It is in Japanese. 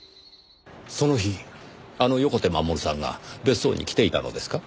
その日あの横手護さんが別荘に来ていたのですか？